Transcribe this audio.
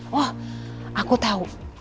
wah aku tahu